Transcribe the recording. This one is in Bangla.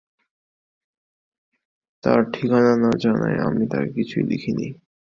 তাঁর ঠিকানা না জানায় আমি তাঁকে কিছুই লিখিনি।